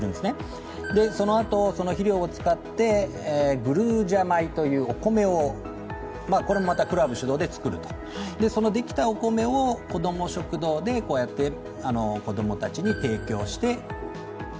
そのあと、その肥料を使ってグルージャ米というお米を、これまたクラブ主導でそのできたお米を子ども食堂で子供たちに提供して。